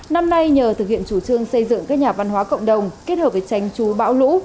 năm nay nhờ thực hiện chủ trương xây dựng các nhà văn hóa cộng đồng kết hợp với tránh chú bão lũ